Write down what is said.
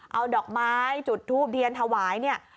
เอาดอกไม้จุดทูบเทียนถวายเนี่ย